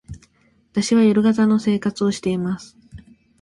私は夜型の生活をしています。